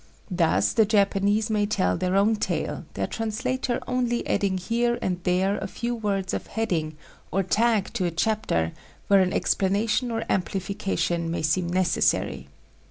Thus the Japanese may tell their own tale, their translator only adding here and there a few words of heading or tag to a chapter, where an explanation or amplification may seem necessary.